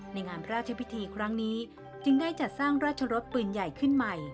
ในงานพระราชพิธีครั้งนี้จึงได้จัดสร้างราชรสปืนใหญ่ขึ้นใหม่